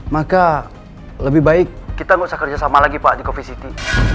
maka lebih baik kita nggak usah kerjasama lagi pak di coffee city